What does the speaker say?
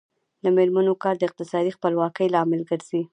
د میرمنو کار د اقتصادي خپلواکۍ لامل ګرځي.